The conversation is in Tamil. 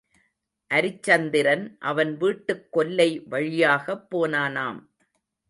அரிச்சந்திரன் அவன் வீட்டுக் கொல்லை வழியாகப் போனானாம்.